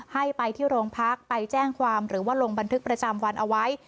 ให้ไปที่โรงพักไปแจ้งความหรือว่าลงบันทึกประจำวันเอาไว้